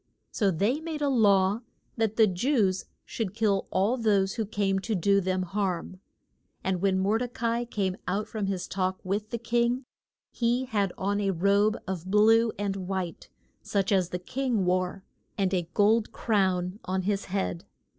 So they made a law that the Jews should kill all those who came to do them harm. And when Mor de ca i came out from his talk with the king he had on a robe of blue and white, such as the king wore, and a gold crown on his head.